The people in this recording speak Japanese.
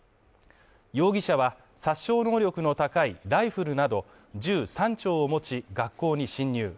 容疑者は、殺傷能力の高いライフルなど銃３丁を持ち学校に侵入。